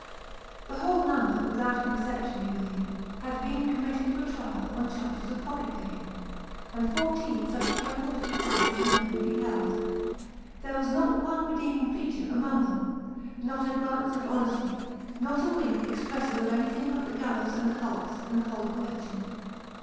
The whole number, without an exception wo believe, had been committed for trial on charges of pocket picking ; and fourteen such terrible little faces we never beheld. There was not one redeeming feature among them not a glance of honesty not a wink expressive of anything but the gallows and the hulks, in the whole collection.